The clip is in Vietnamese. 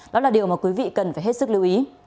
đó là điều mà quý vị cần phải hết sức lưu ý